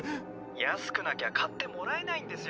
安くなきゃ買ってもらえないんですよ。